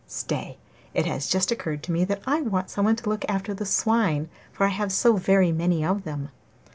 Stay, it has just occurred to me that I want someone to look after the swine, for I have so very many of them.